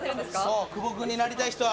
そう久保くんになりたい人は。